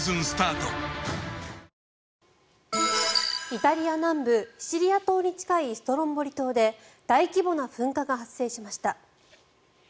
イタリア南部シチリア島に近いストロンボリ島で大規模な噴火が発生しました。